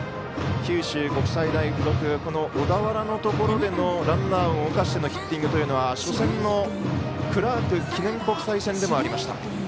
九州国際大付属小田原のところでのランナーを動かしてのヒッティングというのは初戦のクラーク記念国際戦でもありました。